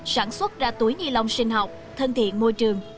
sản xuất ra túi ni lông sinh học thân thiện môi trường